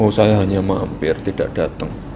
oh saya hanya mampir tidak datang